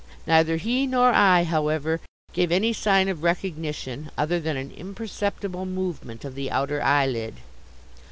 Neither he nor I, however, gave any sign of recognition other than an imperceptible movement of the outer eyelid.